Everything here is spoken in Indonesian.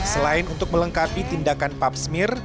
selain untuk melengkapi tindakan pap smear